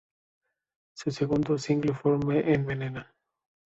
Su segundo single fue ""Me envenena"".